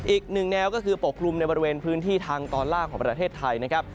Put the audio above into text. อีกหนึ่งแนวก็คือปกกลุ่มในบริเวณพื้นที่ทางตอนล่างของประเทศไทยนะครับ